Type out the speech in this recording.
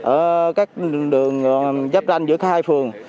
ở các đường giáp ranh giữa hai phường